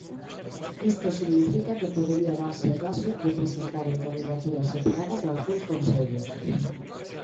Isto significa que podería darse o caso de presentaren candidaturas separadas nalgúns concellos.